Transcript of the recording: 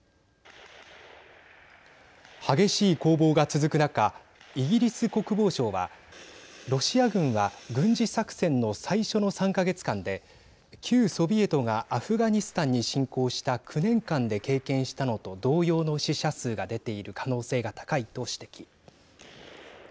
激しい攻防が続く中イギリス国防省はロシア軍が軍事作戦の最初の３か月間で旧ソビエトがアフガニスタンに侵攻した９年間で経験したのと同様の死者数が出ている可能性が高いと指摘。